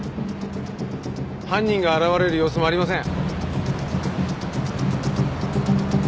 犯人が現れる様子もありません。